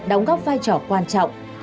đồng góp vai trò quan trọng